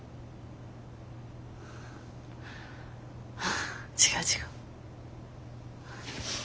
あ違う違う。